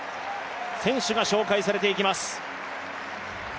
選手が紹介されていきます。